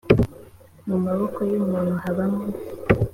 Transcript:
mu maboko y umuntu habamo